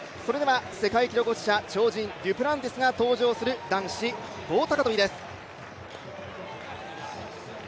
世界記録保持者、超人・デュプランティスが登場する男子棒高跳です。